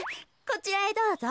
こちらへどうぞ。